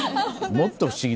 もっと不思議？